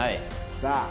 さあ。